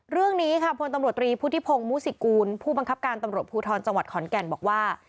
เรื่องนี้ค่ะพลตำรวจตรีพุทธิพงศ์มุสิกูลผู้บังคับการตำรวจภูทรจังหวัดขอนแก่นบอกว่า